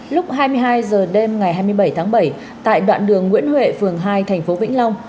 lúc hai mươi hai giờ đêm ngày hai mươi bảy tháng bảy tại đoạn đường nguyễn huệ phường hai tp vĩnh long